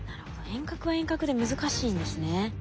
遠隔は遠隔で難しいんですね。